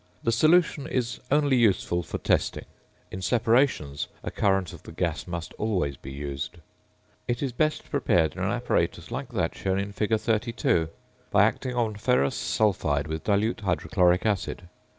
The solution is only useful for testing. In separations, a current of the gas must always be used. It is best prepared in an apparatus like that shown in fig. 32, by acting on ferrous sulphide with dilute hydrochloric acid.